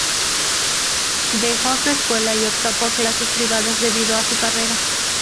Dejó su escuela y optó por clases privadas debido a su carrera.